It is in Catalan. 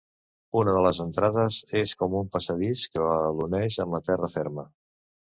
Una de les entrades és com un passadís que l'uneix amb la terra ferma.